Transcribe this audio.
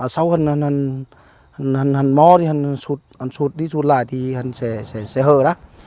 sau hẳn hẳn hẳn hẳn hẳn hẳn mò thì hẳn hẳn sụt đi sụt lại thì hẳn sẽ hờ đó